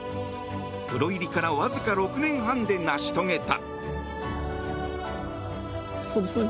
プロ入りからわずか６年半で成し遂げた。